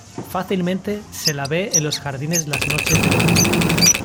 Fácilmente se la ve en los jardines las noches de verano.